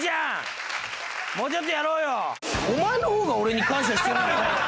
お前の方が俺に感謝してない？